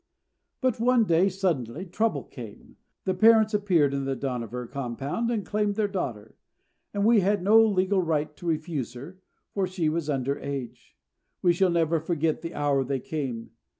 But one day, suddenly, trouble came. The parents appeared in the Dohnavur compound and claimed their daughter; and we had no legal right to refuse her, for she was under age. We shall never forget the hour they came.